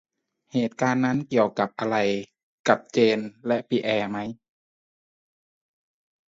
เหตุการณ์นั้นเกี่ยวอะไรกับเจนและปิแอร์ไหม